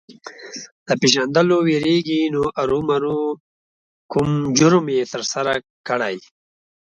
د پېژندلو وېرېږي نو ارومرو کوم جرم یې ترسره کړی.